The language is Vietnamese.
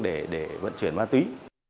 để vận chuyển ma túy